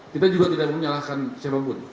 kita juga tidak menyalahkan siapapun